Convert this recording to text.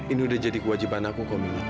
ini udah jadi kewajiban aku